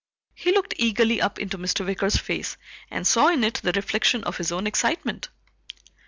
He looked eagerly up into Mr. Wicker's face and saw in it the reflection of his own excitement.